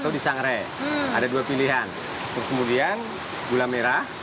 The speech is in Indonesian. atau disangre ada dua pilihan terus kemudian gula merah